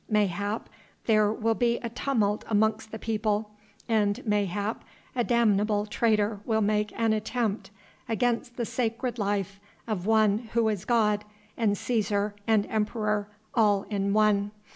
Mayhap there will be a tumult amongst the people, and mayhap a damnable traitor will make an attempt against the sacred life of one who is god and Cæsar and emperor all in one.